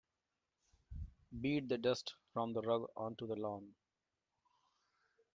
Beat the dust from the rug onto the lawn.